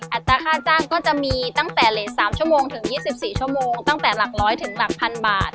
อัตราค่าจ้างก็จะมีตั้งแต่เลส๓ชั่วโมงถึง๒๔ชั่วโมงตั้งแต่หลักร้อยถึงหลักพันบาท